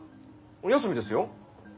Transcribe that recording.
休みですよ。